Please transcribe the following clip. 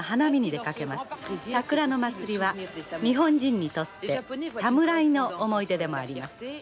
桜の祭りは日本人にとって侍の思い出でもあります。